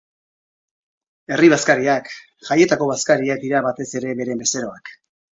Herri-bazkariak, jaietako bazkariak dira batez ere beren bezeroak.